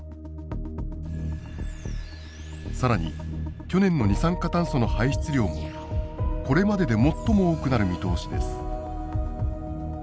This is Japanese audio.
更に去年の二酸化炭素の排出量もこれまでで最も多くなる見通しです。